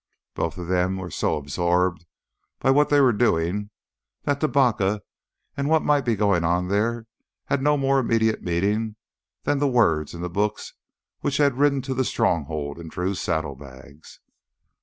Both of them were so absorbed by what they were doing that Tubacca and what might be going on there had no more immediate meaning than the words in the books which had ridden to the Stronghold in Drew's saddlebags.